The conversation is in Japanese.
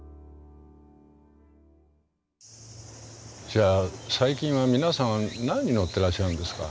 じゃあ最近は皆さん何に乗ってらっしゃるんですか？